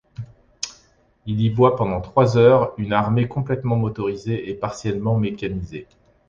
Il y voit pendant trois heures une armée complètement motorisée et partiellement mécanisée.